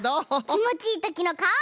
きもちいいときのかお！